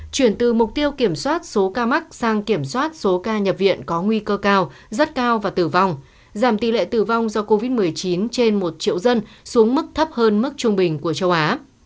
chuyển từ mục tiêu kiểm soát số ca mắc sang kiểm soát số ca nhập viện có nguy cơ cao rất cao và tử vong giảm tỷ lệ tử vong do covid một mươi chín trên một triệu dân xuống mức thấp hơn mức trung bình của châu á